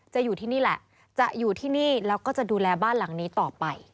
อยู่ที่นี่แหละจะอยู่ที่นี่แล้วก็จะดูแลบ้านหลังนี้ต่อไป